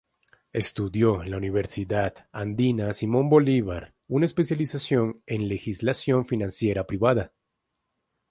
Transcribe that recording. Estudió en la Universidad Andina Simón Bolívar una especialización en Legislación Financiera Privada.